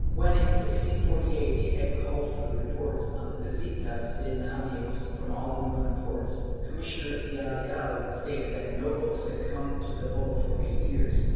When, in 1648, it had called for reports on the visitas de navios from all the northern ports, Commissioner Villareal stated that no books had come to Bilbao for eight years.